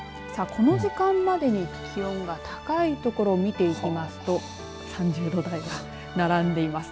この時間までに気温が高い所を見ていきますと３０度台が並んでいます。